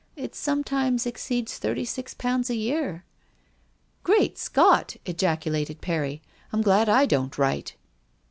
"It sometimes exceeds thirty six pounds a year." "Great Scott !" ejaculated Perry. "I'm glad I don't write."